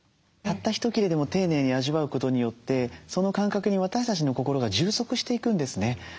たった一切れでも丁寧に味わうことによってその感覚に私たちの心が充足していくんですね。